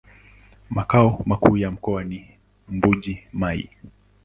Makao makuu ya mkoa ni Mbuji-Mayi.